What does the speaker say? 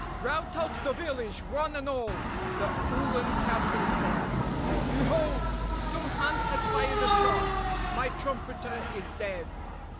"Rout out the village, one and all!" the Uhlan Captain said. "Behold! Some hand has fired a shot. My trumpeter is dead.